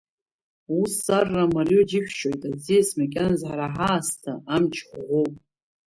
Ус арра мариоу џьышәшьоит, аӡиас макьаназы ҳара ҳаасҭа амч ӷәӷәоуп.